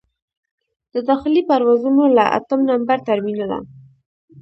د داخلي پروازونو له اتم نمبر ټرمینله.